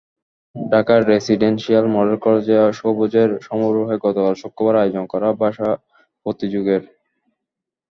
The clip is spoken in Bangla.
ঢাকা রেসিডেনসিয়াল মডেল কলেজে সবুজের সমারোহে গতকাল শুক্রবার আয়োজন করা ভাষা প্রতিযোগের।